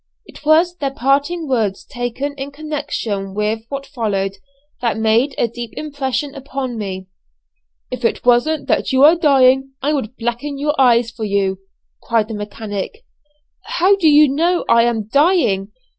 It was their parting words taken in connection with what followed, that made a deep impression upon me: "If it wasn't that you are dying I would blacken your eyes for you," cried the mechanic. "How do you know I am dying?